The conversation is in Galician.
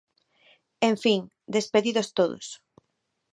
En fin, despedidos todos.